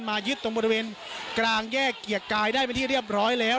มายึดตรงการแยกได้เป็นที่เรียบร้อยแล้ว